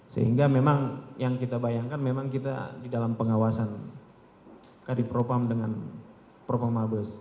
sehingga memang yang kita bayangkan memang kita di dalam pengawasan kadif pro pam dengan pro pam mabes